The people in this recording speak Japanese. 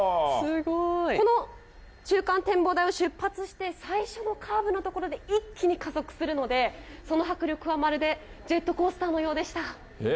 この中間展望台を出発して最初のカーブのところで、一気に加速するので、その迫力は、まるでジェットコースターのようでした。